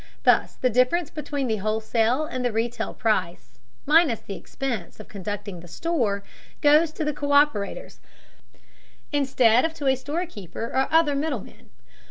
Thus the difference between the wholesale and the retail price minus the expense of conducting the store goes to the co÷perators, instead of to a store keeper or other middleman.